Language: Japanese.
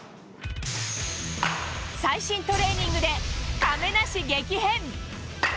最新トレーニングで、亀梨激変。